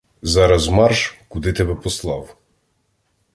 Зараз марш, куди тебе послав!